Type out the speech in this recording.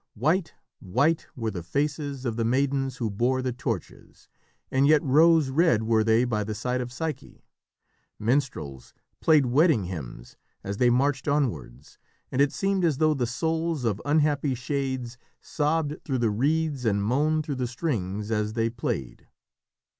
White, white were the faces of the maidens who bore the torches, and yet rose red were they by the side of Psyche. Minstrels played wedding hymns as they marched onwards, and it seemed as though the souls of unhappy shades sobbed through the reeds and moaned through the strings as they played.